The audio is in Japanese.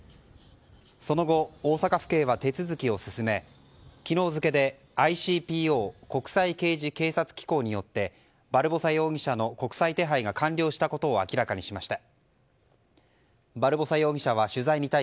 その後、大阪府警は手続きを進め昨日付でＩＣＰＯ・国際刑事警察機構によってバルボサ容疑者の国際手配が完了したことを明らかにしました。